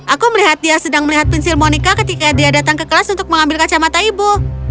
aku melihat dia sedang melihat pensil monica ketika dia datang ke kelas untuk mengambil kacamata ibu